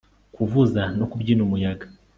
Kuvuza no kubyina umuyaga